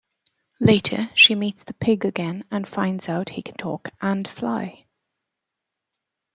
Later, she meets the pig again and finds out he can talk and fly.